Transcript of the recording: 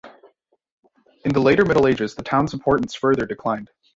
In the later Middle Ages the town's importance further declined.